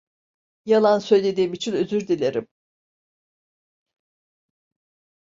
Yalan söylediğim için özür dilerim.